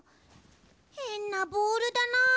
へんなボールだな。